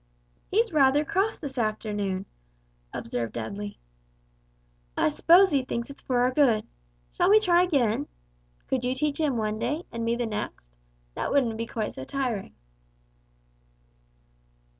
"He's rather cross this afternoon," observed Dudley. "I s'pose he thinks it's for our good. Shall we try again? Could you teach him one day, and me the next? That wouldn't be quite so tiring."